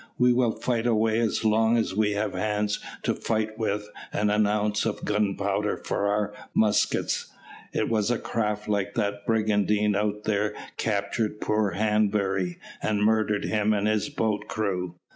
"We will fight away as long as we have hands to fight with and an ounce of gunpowder for our muskets. It was a craft like that brigantine out there captured poor Hanbury, and murdered him and his boat's crew.